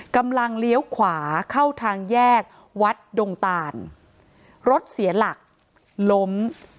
เลี้ยวขวาเข้าทางแยกวัดดงตานรถเสียหลักล้ม